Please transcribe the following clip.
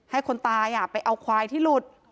ให้คนตายไปเอาควายที่หลุด